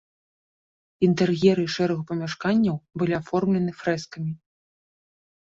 Інтэр'еры шэрагу памяшканняў былі аформлены фрэскамі.